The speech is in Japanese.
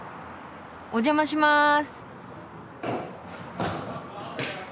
お邪魔します。